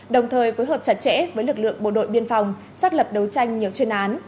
đồng thời phối hợp chặt chẽ với lực lượng bộ đội biên phòng xác lập đấu tranh nhiều chuyên án